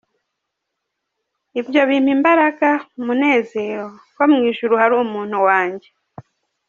Ibyo bimpa imbaraga, umunezero, ko mu ijuru hari umuntu wanjye.